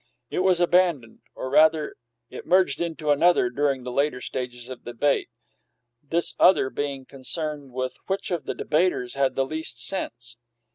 It was abandoned, or rather, it merged into another during the later stages of the debate, this other being concerned with which of the debaters had the least "sense."